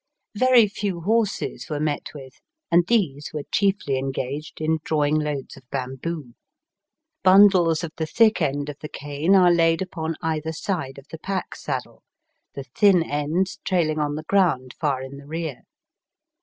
Very few horses were met with, and these were chiefly engaged in drawing loads of bamboo. Bundles of the thick end of the cane are laid upon either side of the pack saddle, the thin ends trailing on the ground far in the rear.